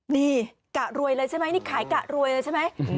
นี่กะรวยเลยใช่ไหมนี่ขายกะรวยเลยใช่ไหม